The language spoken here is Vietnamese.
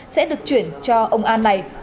sẽ được chuyển cho ông an này